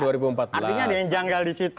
artinya ada yang janggal di situ